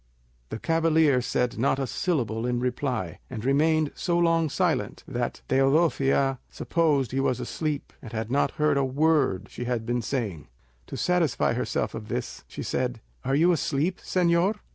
The cavalier said not a syllable in reply, and remained so long silent that Teodosia supposed he was asleep and had not heard a word she had been saying. To satisfy herself of this, she said, "Are you asleep, señor?